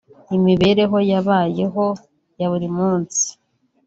imibereho babayeho ya buri munsi